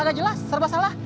gak jelas serba salah